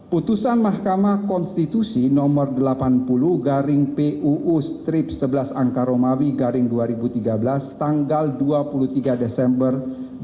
putusan mahkamah konstitusi nomor delapan puluh garing puu strip sebelas angka romawi garing dua ribu tiga belas tanggal dua puluh tiga desember dua ribu dua puluh